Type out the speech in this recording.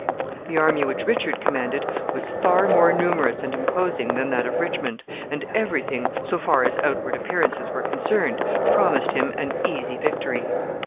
The army which Richard commanded was far more numerous and imposing than that of Richmond, and every thing, so far as outward appearances were concerned, promised him an easy victory.